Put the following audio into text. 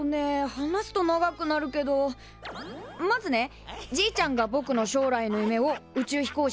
話すと長くなるけどまずねじいちゃんがぼくの将来の夢を宇宙飛行士に決めたんだ。